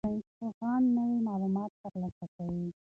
ساینسپوهان نوي معلومات ترلاسه کوي.